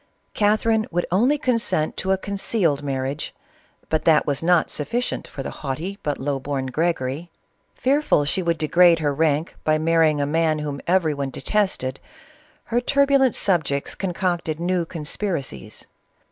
Catherine would only consent to a concealed marriage, but that was not sufficient for the haughty, but low born Gregory. Fearful she would degrade her rank by marrying a man whom every one detested, her turbulent subjects concocted new conspiracies.